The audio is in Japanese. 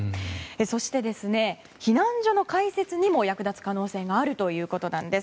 そして、避難所の開設にも役立つ可能性があるということです。